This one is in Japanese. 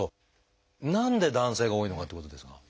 何で男性が多いのかっていうことですが。